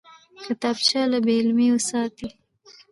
کتابچه له بېعلمۍ ساتي